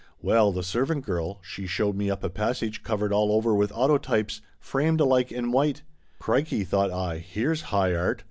Well, the servant girl, she showed me up a passage covered all over with autotypes, framed alike in white Crickey! thought I, here's 'High Art.'